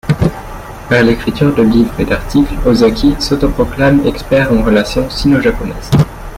Par l'écriture de livres et d'articles, Ozaki s'auto-proclame expert en relations sino-japonaise.